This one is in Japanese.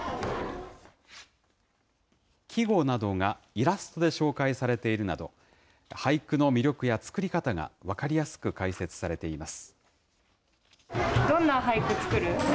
季語などがイラストで紹介されているなど、俳句の魅力や作り方が分かりやすく解説されています。